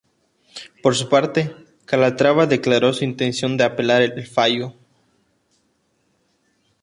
Por su parte, Calatrava declaró su intención de apelar el fallo.